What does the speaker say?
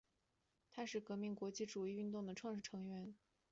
它是革命国际主义运动的创始成员。